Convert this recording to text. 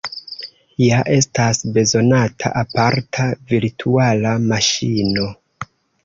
Ja estas bezonata aparta virtuala maŝino.